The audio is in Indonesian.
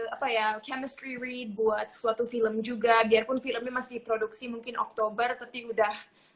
apa ya chemistry read buat suatu film juga biarpun filmnya masih produksi mungkin oktober tapi udah